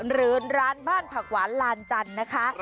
หรือร้านบ้านผักหวานลานจันทร์นะคะ